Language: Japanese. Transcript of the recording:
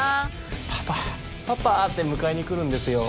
「パパ」「パパ」って迎えにくるんですよ